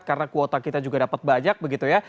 karena kuota kita juga dapat banyak begitu ya